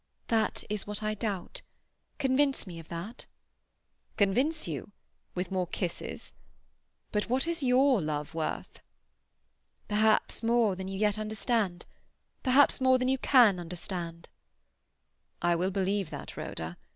"That is what I doubt. Convince me of that." "Convince you? With more kisses? But what is your love worth?" "Perhaps more than you yet understand. Perhaps more than you can understand." "I will believe that, Rhoda.